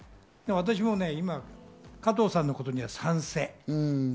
私も今、加藤さんの言うことには賛成。